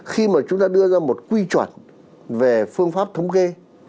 khi mà chúng ta đưa ra một quy chuẩn về phương pháp thống kê